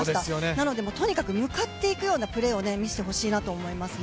なので、とにかく向かっていくようなプレーを見せてほしいなと思いますね。